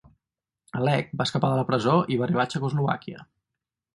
Alleg va escapar de la presó i va arribar a Txecoslovàquia.